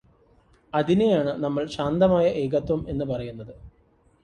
അതിനെയാണ് നമ്മള് ശാന്തമായ ഏകത്വം എന്ന് പറയുന്നത്